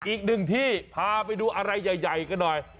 อีกหนึ่งที่พาไปดูอะไรใหญ่กันหน่อย